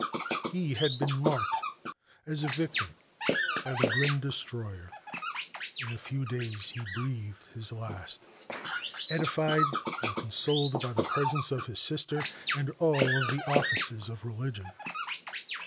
He had been marked as a a victim by the grim destroyer. In a few days he breathed his last, edified and consoled by the presence of his Sister and all of the offices of religion.